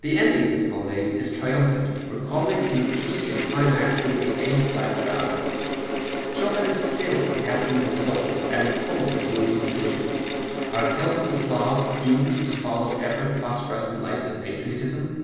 The ending of this Polonaise is triumphant, recalling in key and climaxing the A flat Ballade. Chopin is still the captain of his soul and Poland will be free! Are Celt and Slav doomed to follow ever the phosphorescent lights of patriotism?